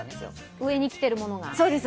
上に着ているものが。